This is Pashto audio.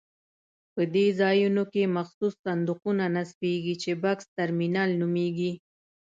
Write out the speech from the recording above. په دې ځایونو کې مخصوص صندوقونه نصبېږي چې بکس ترمینل نومېږي.